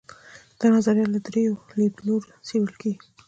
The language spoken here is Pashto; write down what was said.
دا نظریه له درېیو لیدلورو څېړل کیږي.